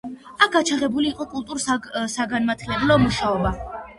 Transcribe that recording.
აქ გაჩაღებული იყო კულტურულ-საგანმანათლებლო მუშაობა.